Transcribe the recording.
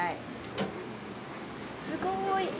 すごい。